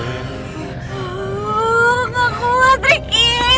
gak kuat ricky